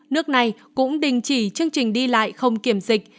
nước này cũng đình chỉ chương trình đi lại không kiểm dịch